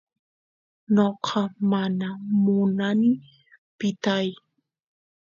noqa mana munani pitay